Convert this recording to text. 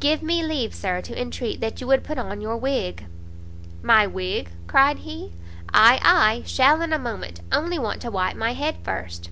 Give me leave, Sir, to entreat that you would put on your wig." "My wig?" cried he, "ay, ay, shall in a moment, only want to wipe my head first."